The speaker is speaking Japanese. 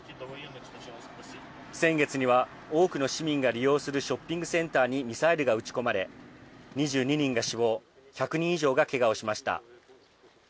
先月には、多くの市民が利用するショッピングセンターにミサイルが撃ち込まれ２２人が死亡１００人以上がけがをしました。